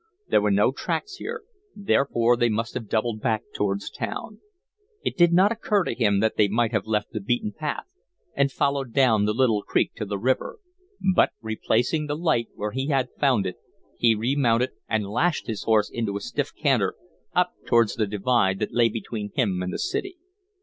There were no tracks here, therefore they must have doubled back towards town. It did not occur to him that they might have left the beaten path and followed down the little creek to the river; but, replacing the light where he had found it, he remounted and lashed his horse into a stiff canter up towards the divide that lay between him and the city.